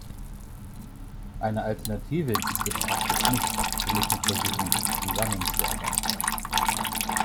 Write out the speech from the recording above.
Eine Alternative gibt es praktisch nicht, wir müssen versuchen zusammenzuarbeiten.